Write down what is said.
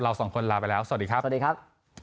เราสองคนลาไปแล้วสวัสดีครับ